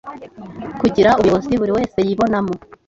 kugira ubuyobozi buri wese yibonamo,